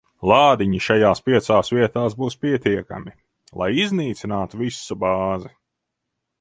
Lādiņi šajās piecās vietās būs pietiekami, lai iznīcinātu visu bāzi.